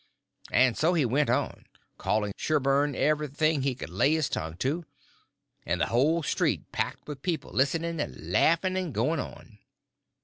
And so he went on, calling Sherburn everything he could lay his tongue to, and the whole street packed with people listening and laughing and going on.